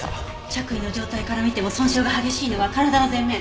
着衣の状態から見ても損傷が激しいのは体の前面。